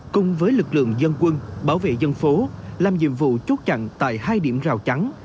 cùng với lực lượng dân quân bảo vệ dân phố làm nhiệm vụ chốt chặn tại hai điểm rào chắn